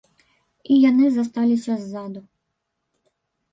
І яны засталіся ззаду.